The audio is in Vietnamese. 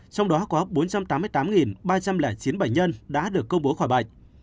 trong đó có bốn trăm tám mươi tám ba trăm linh chín bệnh nhân đã được công bố khỏi bệnh